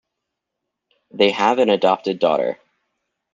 They have an adopted daughter.